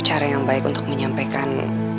cara yang baik untuk menyampaikan